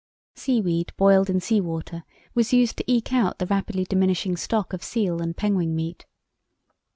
Seaweed boiled in sea water was used to eke out the rapidly diminishing stock of seal and penguin meat.